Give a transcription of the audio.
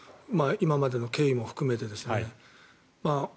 今までの経緯も含めてですね。